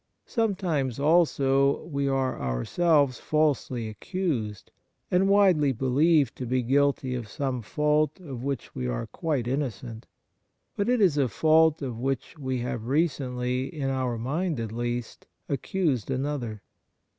Sometimes also we are ourselves falsely accused and widely believed to be guilty 62 Kindness of some fault of which we are quite inno cent ; but it is a fault of which we have recently, in our mind at least, accused another.